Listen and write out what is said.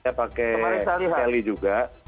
saya pakai road bike saya pakai sally juga